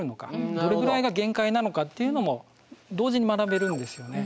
どれぐらいが限界なのかっていうのも同時に学べるんですよね。